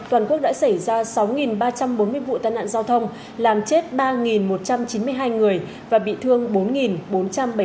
toàn quốc đã xảy ra sáu ba trăm bốn mươi vụ tai nạn giao thông làm chết ba một trăm chín mươi hai người và bị thương bốn bốn trăm bảy mươi người